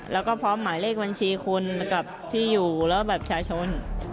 แล้วก็พร้อมหมายเลขบัญชีคุณกับที่อยู่แล้วบัตรประชาชน